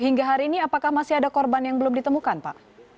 hingga hari ini apakah masih ada korban yang belum ditemukan pak